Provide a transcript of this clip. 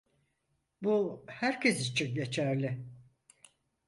Bu herkes için geçerli.